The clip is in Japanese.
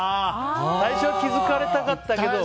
最初は気づかれたかったけど。